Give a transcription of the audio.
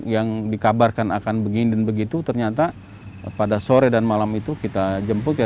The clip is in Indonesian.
yang dikabarkan akan begini dan begitu ternyata pada sore dan malam itu kita jemput ya